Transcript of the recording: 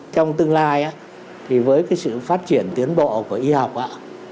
trong tương lai á thì với cái sự phát triển tiến bộ của y học á